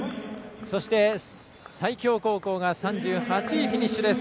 そして、西京高校が３８位フィニッシュです。